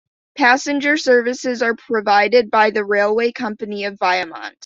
Passenger services are provided by the railway company of Viamont.